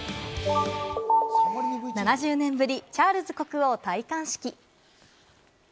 ７０年ぶり、チャールズ国王戴冠式。